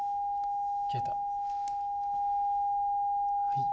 はい。